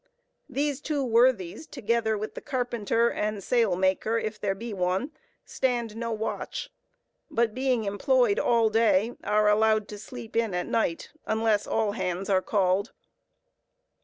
These two worthies, together with the carpenter and sail maker, if there be one, stand no watch, but, being employed all day, are allowed to "sleep in" at night unless all hands are called.